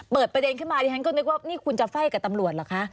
ประเด็นขึ้นมาดิฉันก็นึกว่านี่คุณจะไฟ่กับตำรวจเหรอคะ